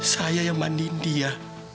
saya yang mandiin dia